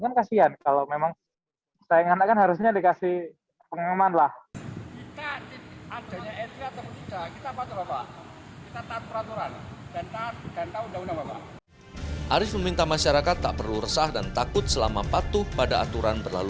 kan kasian kalau memang sayang anak kan harusnya dikasih pengaman lah